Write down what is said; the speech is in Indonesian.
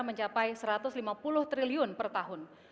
mencapai satu ratus lima puluh triliun per tahun